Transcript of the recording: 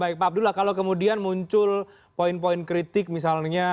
baik pak abdullah kalau kemudian muncul poin poin kritik misalnya